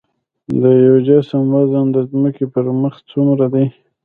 د یو جسم وزن د ځمکې پر مخ څومره دی؟